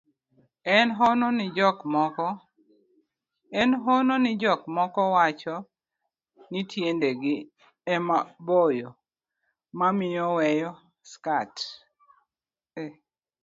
en hono ni jok moko ni wacho ni tiendegi ema boyo mamiyo weyo skat